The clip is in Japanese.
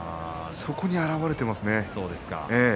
そこに表れていますね。